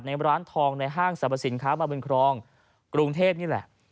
ร้านทองในห้างสรรพสินค้ามาบึงครองกรุงเทพนี่แหละ